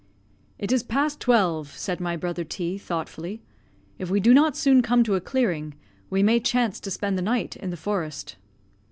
"It is past twelve," said my brother T thoughtfully; "if we do not soon come to a clearing, we may chance to spend the night in the forest."